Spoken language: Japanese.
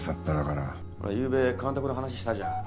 ほらゆうべ監督の話したじゃん。